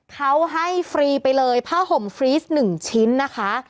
เขาให้ฟรีไปเลยผ้าห่มฟรีส๑ชิ้นนะคะ